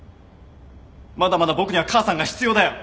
まだまだ僕には母さんが必要だよ。